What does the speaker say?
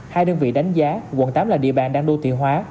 hai đơn vị đánh giá quận tám là địa bàn đang đô thị hóa